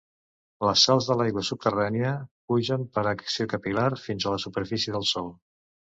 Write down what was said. Les sals de l’aigua subterrània pugen per acció capil·lar fins a la superfície del sòl.